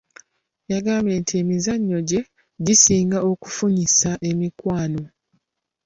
Yagambye nti emizannyo gye gisinga okufunyisa emikwano.